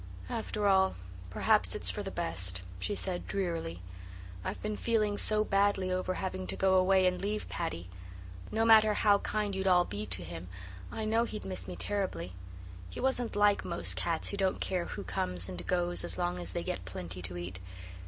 "After all, perhaps it's for the best," she said drearily. "I've been feeling so badly over having to go away and leave Paddy. No matter how kind you'd all be to him I know he'd miss me terribly. He wasn't like most cats who don't care who comes and goes as long as they get plenty to eat.